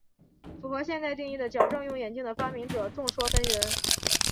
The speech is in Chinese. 符合现代定义的矫正用眼镜的发明者众说纷纭。